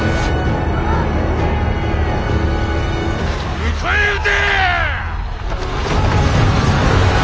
迎え撃て！